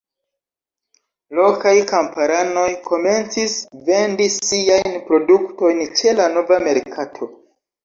Lokaj kamparanoj komencis vendi siajn produktojn ĉe la nova merkato.